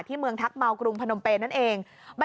ในจักรกลุงพนมเปนที่เมืองทักมาว